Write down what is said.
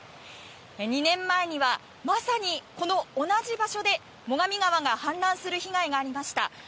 ２年前にはまさにこの同じ場所で最上川が氾濫する被害がありました。